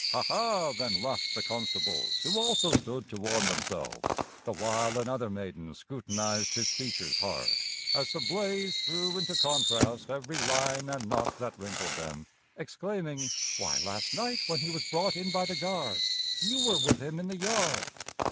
"Ha, ha!" then laughed the constables who also stood to warm themselves, The while another maiden scrutinized his features hard, As the blaze threw into contrast every line and knot that wrinkled them, Exclaiming, "Why, last night when he was brought in by the guard, You were with him in the yard!"